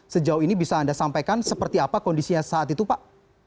sejauh ini bisa anda sampaikan seperti apa kondisinya saat itu pak